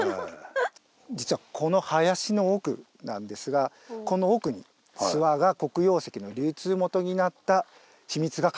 実はこの林の奥なんですがこの奥に諏訪が黒曜石の流通元になった秘密が隠されてます。